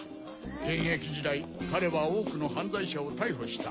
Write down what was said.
現役時代彼は多くの犯罪者を逮捕した。